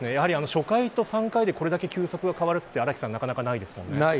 初回と３回でこれだけ球速が変わるって荒木さんなかなかないですよね。